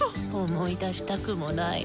思い出したくもない。